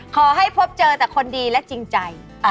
พบเจอแต่คนดีและจริงใจ